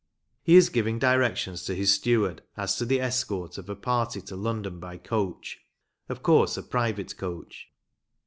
He is giving directions to his steward as to the escort of a party to London by coach of course, a private coach.